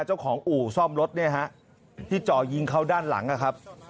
อู่ซ่อมรถเนี่ยฮะที่จ่อยิงเขาด้านหลังนะครับ